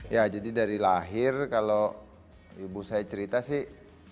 ya jadi dari lahir kalau ibu saya cerita sih